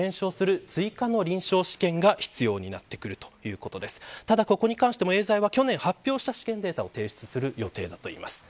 ここに関してもエーザイは発表した試験データを提出する予定だということです。